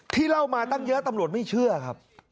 เล่ามาตั้งเยอะตำรวจไม่เชื่อครับ